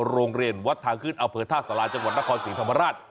โรงเรียนวัดทางขึ้นอำเภอท่าสาราจังหวัดนครศรีธรรมราช